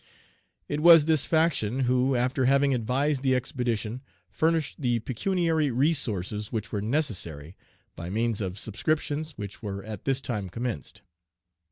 It was this faction who, after having advised the expedition, furnished the pecuniary resources which were necessary, by means of subscriptions which were at this time commenced.